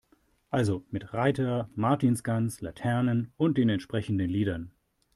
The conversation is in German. Also mit Reiter, Martinsgans, Laternen und den entsprechenden Liedern.